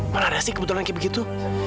mana ada sih kebetulan kayak begitu